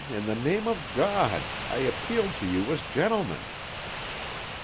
In the name of God! I appeal to you as gentlemen!"